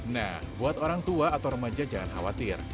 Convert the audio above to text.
nah buat orang tua atau remaja jangan khawatir